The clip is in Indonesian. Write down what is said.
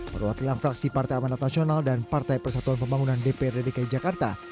perwakilan fraksi partai amanat nasional dan partai persatuan pembangunan dprd dki jakarta